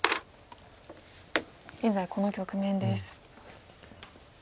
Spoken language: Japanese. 現在この局面です。